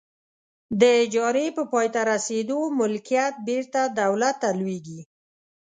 د اجارې په پای ته رسیدو ملکیت بیرته دولت ته لویږي.